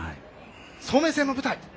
早明戦の舞台